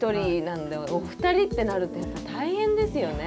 お二人ってなるとやっぱ大変ですよね。